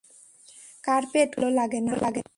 Carpet খুব ভালো লাগে না?